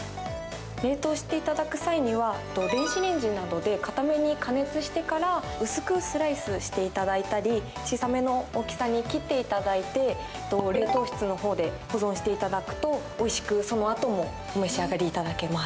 冷凍していただく際には電子レンジなどで硬めに加熱してから薄くスライスしていただいたり小さめの大きさに切っていただいて冷凍室の方で保存していただくとおいしく、そのあともお召し上がりいただけます。